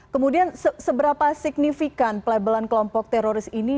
kemudian seberapa signifikan pelabelan kelompok teroris ini